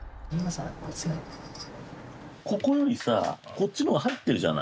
ここよりさこっちの方が入ってるじゃない。